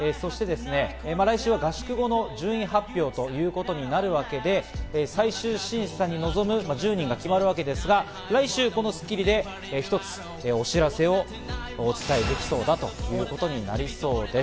来週は合宿後の順位発表ということになるわけで、最終審査に臨む１０人が決まるわけですが、来週『スッキリ』で一つ、お知らせをお伝えできそうだということになりそうです。